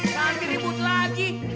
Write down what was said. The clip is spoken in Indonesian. nanti ribut lagi